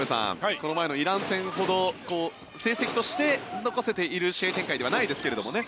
この前のイラン戦ほど成績として残せている試合展開ではないですけどもね